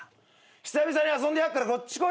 久々に遊んでやっからこっち来いよ。